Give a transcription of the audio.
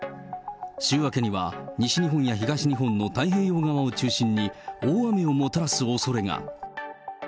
週明けには、西日本や東日本の太平洋側を中心に、大雨をもたらすおそれが。